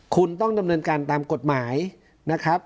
คุณต้องดำเนินการตามกฎหมายนะครับ